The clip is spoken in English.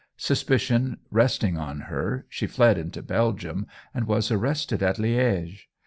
Suspicion resting on her, she fled into Belgium, and was arrested at Liège.